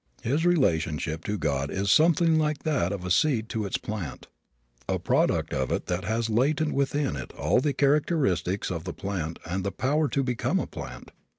His relationship to God is something like that of a seed to its plant, a product of it that has latent within it all the characteristics of the plant and the power to become a plant.